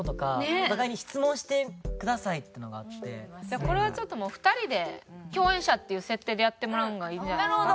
これはちょっともう２人で共演者っていう設定でやってもらうのがいいんじゃないですか？